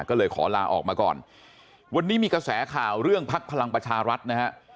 ก็เลยขอลาออกมาก่อนวันนี้มีกระแสข่าวเรื่องพักพลังประชารัฐนะฮะ